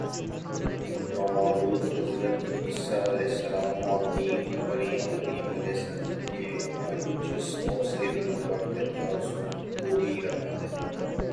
نومولود حضرت عیسی ؑ اور نیم عریاں مریم ؑ کے مجسموں سے تو برکت کا حصول ہو ہی رہا ہے